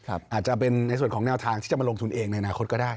อาจจะเป็นในส่วนของแนวทางที่จะมาลงทุนเองในอนาคตก็ได้